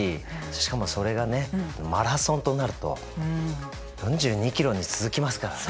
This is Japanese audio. しかもそれがねマラソンとなると４２キロに続きますからね。